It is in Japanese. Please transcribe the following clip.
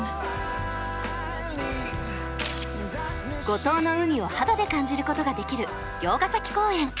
五島の海を肌で感じることができる魚津ヶ崎公園。